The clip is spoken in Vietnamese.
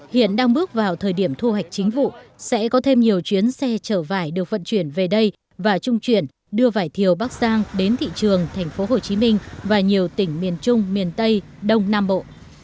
hiện đang bước vào thời điểm thu hoạch chính vụ sẽ có thêm nhiều chuyến xe chở vải được vận chuyển về đây và trung chuyển đưa vải thiều bắc giang đến thị trường thành phố hồ chí minh và nhiều tỉnh miền trung miền tây đông nam bộ